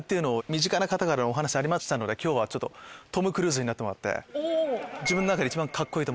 身近な方からお話ありましたので今日はトム・クルーズになってもらって。